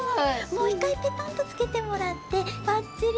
もういっかいペタンとつけてもらってバッチリ！